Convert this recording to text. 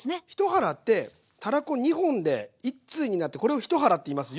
１腹ってたらこ２本で１対になってこれを１腹っていいます。